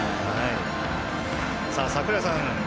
櫻井さん